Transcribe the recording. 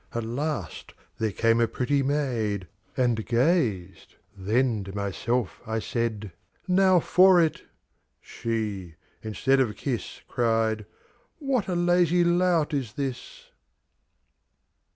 At last there came a pretty maid, And gazed; then to myself I said, 'Now for it!' She, instead of kiss, Cried, 'What a lazy lout is this!'